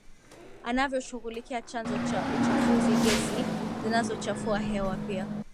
anavyoshughulikia chanzo cha uchafuziGesi zinazochafua hewa pia